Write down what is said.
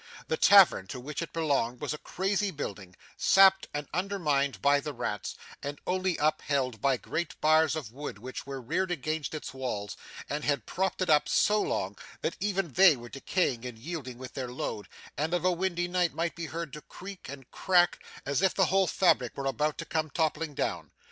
The tavern to which it belonged was a crazy building, sapped and undermined by the rats, and only upheld by great bars of wood which were reared against its walls, and had propped it up so long that even they were decaying and yielding with their load, and of a windy night might be heard to creak and crack as if the whole fabric were about to come toppling down.